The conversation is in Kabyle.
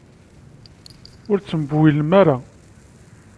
Ur ttembiwilem ara.